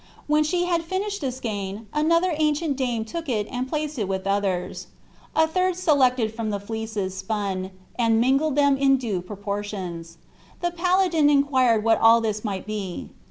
When she had finished a skein another ancient dame took it and placed it with others; a third selected from the fleeces spun, and mingled them in due proportions. The paladin inquired what all this might be.